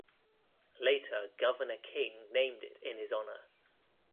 Later Governor King named it in his honour.